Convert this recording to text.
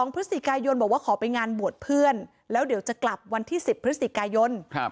พฤศจิกายนบอกว่าขอไปงานบวชเพื่อนแล้วเดี๋ยวจะกลับวันที่๑๐พฤศจิกายน